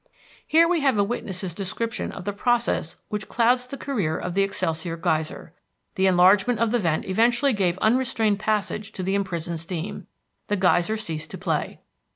Here we have a witness's description of the process which clouds the career of the Excelsior Geyser. The enlargement of the vent eventually gave unrestrained passage to the imprisoned steam. The geyser ceased to play.